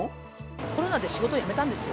コロナで仕事を辞めたんですよ。